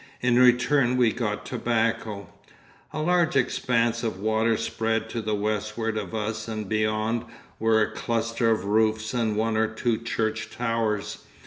In return we got tobacco. A large expanse of water spread to the westward of us and beyond were a cluster of roofs and one or two church towers.